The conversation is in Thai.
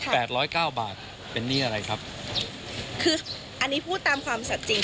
ร้อยเก้าบาทเป็นหนี้อะไรครับคืออันนี้พูดตามความสัดจริง